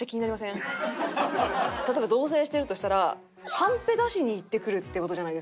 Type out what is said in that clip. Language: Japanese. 例えば同棲してるとしたら「カンペ出しに行ってくる」っていう事じゃないですか